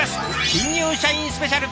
「新入社員スペシャル」。